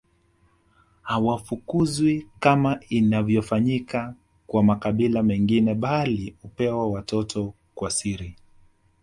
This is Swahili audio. Hawafukuzwi kama inavyofanyika kwa makabila mengine bali hupewa watoto kwa siri